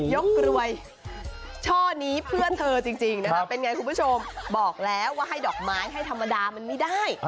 กรวยช่อนี้เพื่อนเธอจริงนะคะเป็นไงคุณผู้ชมบอกแล้วว่าให้ดอกไม้ให้ธรรมดามันไม่ได้